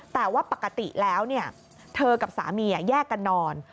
แต่ว่าปกติแล้วเธอกับสามีแยกกันนอน